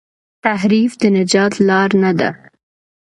تحریف د نجات لار نه ده.